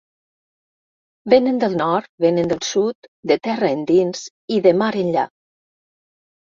Vénen del nord, vénen del sud, de terra endins i de mar enllà.